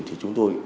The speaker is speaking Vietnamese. thì chúng tôi